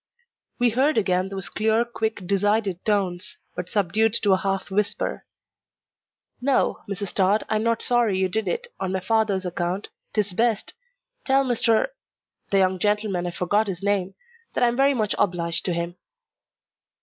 We heard again those clear, quick, decided tones, but subdued to a half whisper. "No, Mrs. Tod, I am not sorry you did it on my father's account, 'tis best. Tell Mr. the young gentleman I forget his name that I am very much obliged to him."